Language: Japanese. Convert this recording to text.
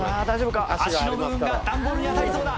脚の部分が段ボールに当たりそうだ。